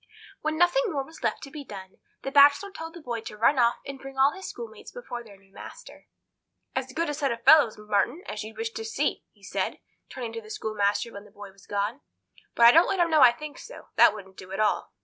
When nothing more was left to be done, the Bachelor told the boy to run off and bring all his schoolmates before their new master. "As good a set of fellows, Marton, as you'd wish to see," he said, turning to the schoolmaster when the boy was gone; "but I don't let 'em know I think so. That wouldn't do at all."